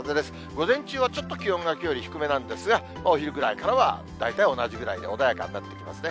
午前中はちょっと気温がきょうより低めなんですが、お昼ぐらいからは大体同じくらいで、穏やかになってきますね。